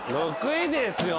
６位ですよ。